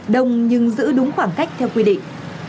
đông nhưng giữ đúng khoảng cách theo quy định